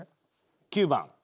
９番。